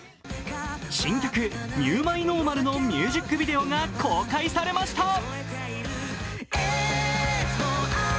新曲「ニュー・マイ・ノーマル」のミュージックビデオが公開されました。